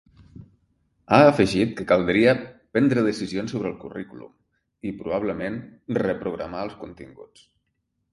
Ha afegit que caldria ‘prendre decisions sobre el currículum’ i, probablement, ‘reprogramar’ els continguts.